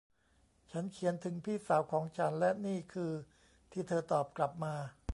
ฉันเขียนถึงพี่สาวของฉัน และนี่คือที่เธอตอบกลับมา